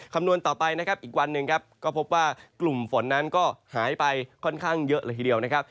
คำนวณต่อไปนะครับอีกวันหนึ่งครับก็พบว่ากลุ่มฝนนั้นก็หายไปค่อนข้างเยอะเลยทีเดียวนะครับ